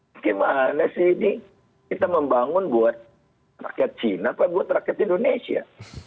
bagaimana sih ini kita membangun buat rakyat cina apa buat rakyat indonesia